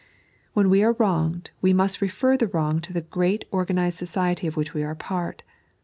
When we are wronged, we must refer the wrong to the great orgamsed society of which we are part.